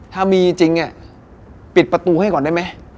ถ้ามีจริงอ่ะปิดประตูให้ก่อนได้มั้ย